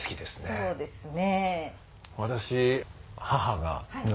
そうなんですね。